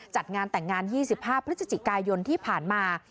จัดงานแต่งงาน๒๕พฤศจิกายนที่ผ่านมา